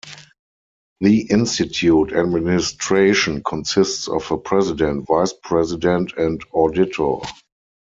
The institute administration consists of a president, vice president, and auditor.